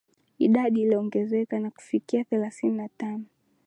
idadi iliyoongezeka na kufikia thelathini na tano